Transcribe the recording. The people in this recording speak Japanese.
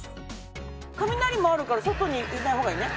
雷もあるから外にいない方がいいね。